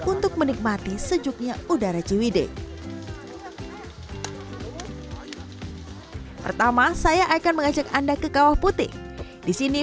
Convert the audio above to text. untuk menikmati sejuknya udara ciwide pertama saya akan mengajak anda ke kawah putih disini